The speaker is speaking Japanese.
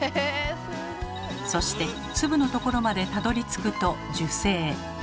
そして粒のところまでたどりつくと受精。